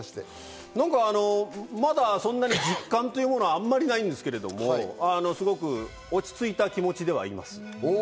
まだ実感というのはそんなにないんですけど、すごく落ち着いた気持ちではいます。